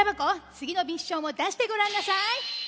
つぎのミッションをだしてごらんなさい！